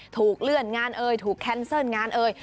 ถูกเลื่อนงานเอ่ยถูกแคนเซิลงานเอ่ย